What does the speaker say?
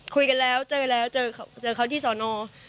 คุยกันแล้วเจอแล้วเจอเขาที่สอนอ